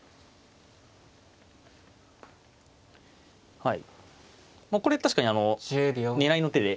はいこれ確かに狙いの手で。